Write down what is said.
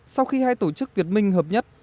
sau khi hai tổ chức việt minh hợp nhất